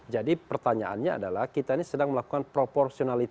jadi pertanyaannya adalah kita ini sedang melakukan proporsionalisme